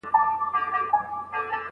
د ښايستونو کوه قاف ته، د لفظونو کمی راغی